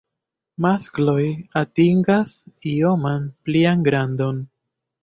Maskloj atingas ioman plian grandon.